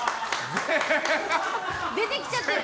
出てきちゃってる。